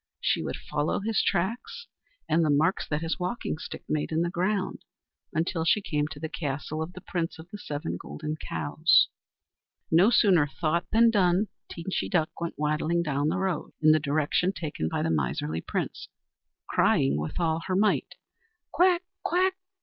She would follow his tracks and the marks that his walking stick made in the ground until she came to the castle of the Prince of the Seven Golden Cows. No sooner thought than done. Teenchy Duck went waddling down the road in the direction taken by the miserly Prince, crying with all her might: "Quack! quack!